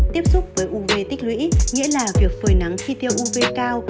tiếp xúc với uv tích lũy nghĩa là việc phơi nắng chi tiêu uv cao